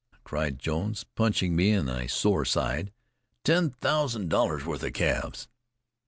cried Jones, punching me in my sore side. "Ten thousand dollars worth of calves!"